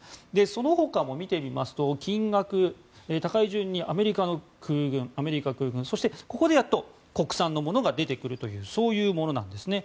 そのほかも見てみますと金額を高い順にアメリカの空軍そしてここでやっと国産のものが出てくるというそういうものなんですね。